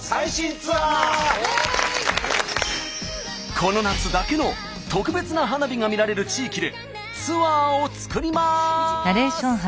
この夏だけの特別な花火が見られる地域でツアーを作ります！